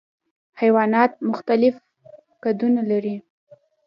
حیوانات مختلف قدونه لري.